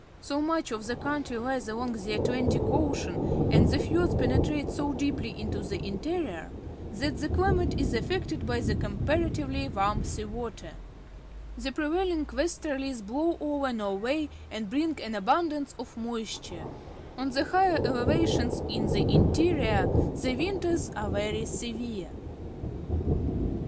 So much of the country' lies along the Atlantic Ocean and the fiords penetrate so deeply into the interior that the chmate is affected by the com.parativeh^ warm sea water. The prevailing westerlies blow over Norway and bring an abundance of moisture. On the higher elevations in the interior the winters are very severe.